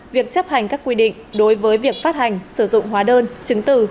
việc chấp hành các quy định đối với việc phát hành sử dụng hóa đơn chứng từ